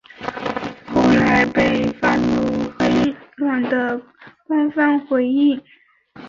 后来被放入微软的官方回应。